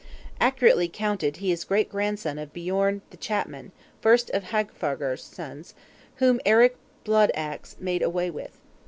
Accurately counted, he is great grandson of Bjorn the Chapman, first of Haarfagr's sons whom Eric Bloodaxe made away with.